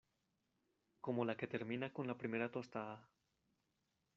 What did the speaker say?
como la que termina con la primera tostada